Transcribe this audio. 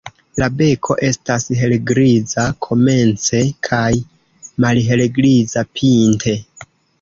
La beko estas helgriza komence kaj malhelgriza pinte.